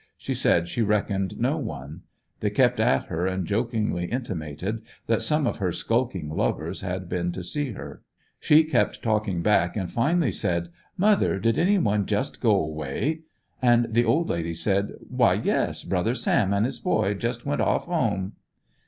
She said she reckoned no one. They kept at her and jokingly intimated that some of her skulking lovers had been to see her. See kept talking back and finally said :' 'Mother, did any one just go away?" And the old lady said: ''Why, yes, brother Sam and his 'boy' just went off home."